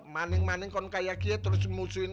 maning maning kan kayak dia terus musuhin